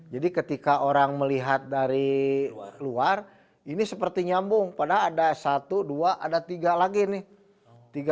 jadi ketika orang melihat dari luar ini seperti nyambung padahal ada satu dua ada tiga lagi nih